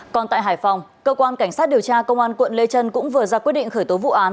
còn tại hải phòng cơ quan cảnh sát điều tra công an quận lê trân cũng vừa ra quyết định khởi tố vụ án